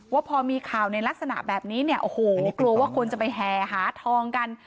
ว่าพอมีข่าวในลักษณะแบบนี้เนี่ยโอ้โหกลัวว่าคนจะไปแห่หาทองกัน